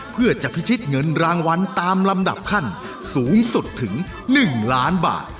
เพื่อจะพิชิตเงินรางวัลตามลำดับขั้นสูงสุดถึง๑ล้านบาท